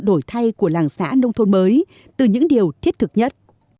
đổi thay của làng xã nông thôn mới từ những điều thiết thực nhất